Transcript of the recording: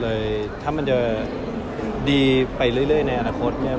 เลยถ้ามันจะดีไปเรื่อยในอนาคตเนี่ย